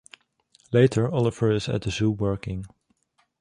Later, Oliver is at the zoo working.